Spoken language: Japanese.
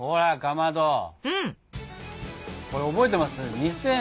これ覚えてます？